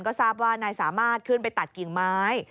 ก็ทราบว่านายสามารถขึ้นไปตัดกิ่งไม้